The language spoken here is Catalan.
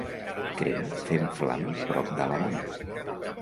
Crema fent flama prop d'Alabama.